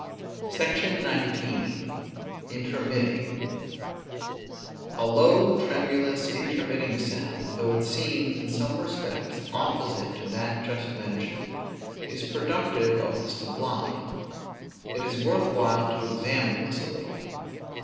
SECTION XIX. INTERMITTING. A low, tremulous, intermitting sound, though it seems, in some respects, opposite to that just mentioned, is productive of the sublime. It is worth while to examine this a little.